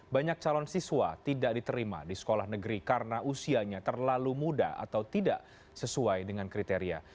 banyak calon siswa tidak diterima di sekolah negeri karena usianya terlalu muda atau tidak sesuai dengan kriteria